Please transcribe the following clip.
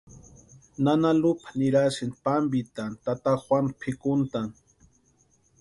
Nana Lupa nirasïnti pampitani tata Juanu pʼikuntani.